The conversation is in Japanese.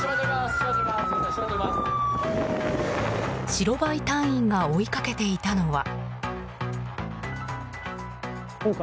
白バイ隊員が追いかけていたのは。